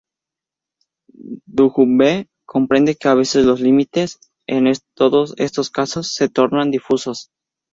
Dujovne comprende que a veces los límites, en todos estos casos, se tornan difusos.